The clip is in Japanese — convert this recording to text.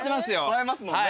映えますもんね。